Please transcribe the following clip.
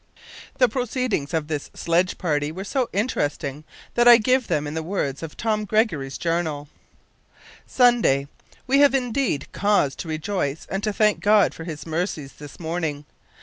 The proceedings of this sledge party were so interesting that I give them in the words of Tom Gregory's journal: "Sunday. We have indeed cause to rejoice and to thank God for His mercies this morning.